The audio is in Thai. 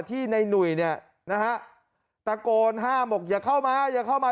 ในหนุ่ยเนี่ยนะฮะตะโกนห้ามบอกอย่าเข้ามาอย่าเข้ามา